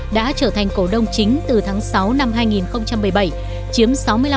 đã trở thành cổ đông chính từ tháng sáu năm hai nghìn một mươi bảy